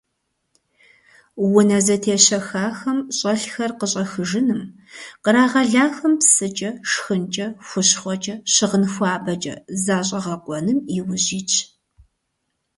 Унэ зэтещэхахэм щӀэлъхэр къыщӀэхыжыным, кърагъэлахэм псыкӀэ, шхынкӀэ, хущхъуэкӀэ, щыгъын хуабэкӀэ защӀэгъэкъуэным иужь итщ.